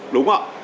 đúng không ạ